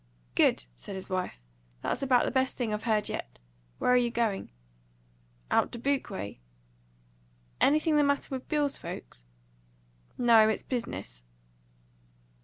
"Good!" said his wife. "That's about the best thing I've heard yet. Where you going?" "Out Dubuque way." "Anything the matter with Bill's folks?" "No. It's business."